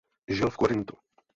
Žil v Korintu.